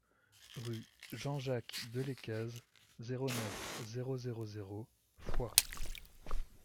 Rue Jean Jacques Delescazes, zéro neuf, zéro zéro zéro Foix